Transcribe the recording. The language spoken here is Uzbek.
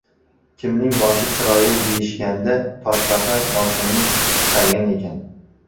• Kimning boshi chiroyli deyishganda, toshbaqa boshini chiqargan ekan.